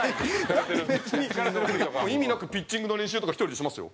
意味なくピッチングの練習とか１人でしますよ。